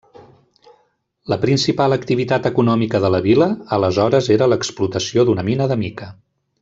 La principal activitat econòmica de la vila aleshores era l'explotació d'una mina de mica.